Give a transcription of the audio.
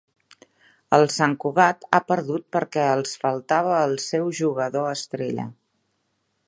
El Sant Cugat ha perdut perquè els faltava el seu jugador estrella